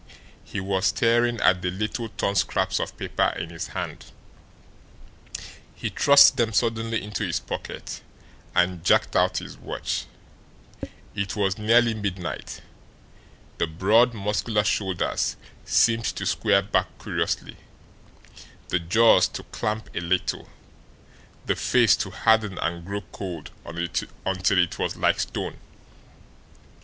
He was staring at the little torn scraps of paper in his hand. He thrust them suddenly into his pocket, and jerked out his watch. It was nearly midnight. The broad, muscular shoulders seemed to square back curiously, the jaws to clamp a little, the face to harden and grow cold until it was like stone.